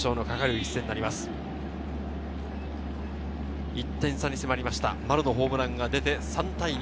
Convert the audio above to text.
１点差に迫りました、丸のホームランが出て３対２。